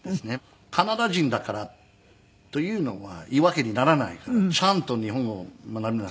「カナダ人だからというのは言い訳にならないからちゃんと日本語を学びなさい」。